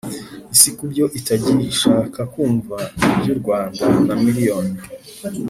isi ku buryo itagishaka kumva iby'u Rwanda na miliyoni